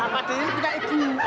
pak d ini punya ibu